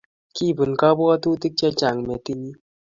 Kibun kabwatutik chechang metinyi